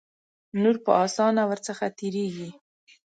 نور په آسانه ور څخه تیریږي.